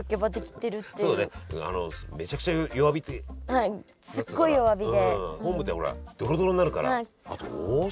はいすっごい弱火で。